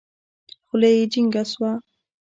خوله يې جينګه سوه.